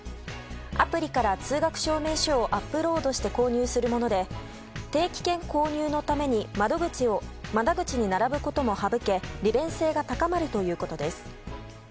アプリから通学証明書をアップロードして購入するもので定期券購入のために窓口に並ぶことも省け利便性が高まるということです。